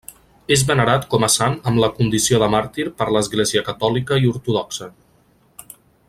És venerat com a sant amb la condició de màrtir per l'Església Catòlica i Ortodoxa.